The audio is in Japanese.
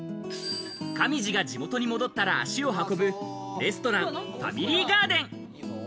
上地が地元に戻ったら足を運ぶレストラン、ファミリーガーデン。